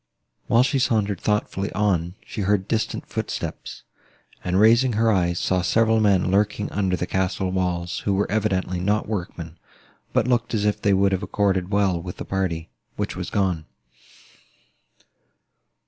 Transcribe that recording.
While she sauntered thoughtfully on, she heard distant footsteps, and, raising her eyes, saw several men lurking under the castle walls, who were evidently not workmen, but looked as if they would have accorded well with the party which was gone.